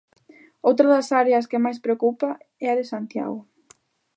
Outra das áreas que máis preocupa é a de Santiago.